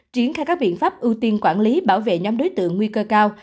triển khai các biện pháp ưu tiên quản lý bảo vệ nhóm đối tượng nguy cơ cao